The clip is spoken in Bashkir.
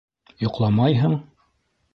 Йоҡламайһың?!